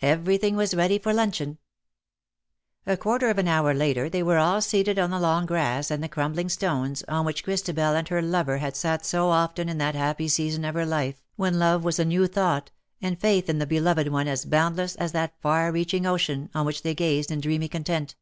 Everything was ready for luncheon. A quarter of a hour later they were all seated on the long grass and the crumbling stones, on which Christabel and her lover had sat so often in that happy season of her life when love was a new thought, and faith in the beloved one as boundless as that far reaching ocean, on which they gazed in dreamy content.